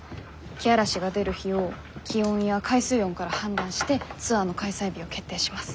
けあらしが出る日を気温や海水温から判断してツアーの開催日を決定します。